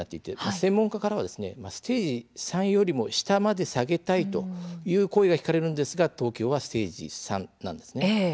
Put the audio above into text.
専門家からは、ステージ３よりも下まで下げたいという声が聞かれるんですが東京はステージ３です。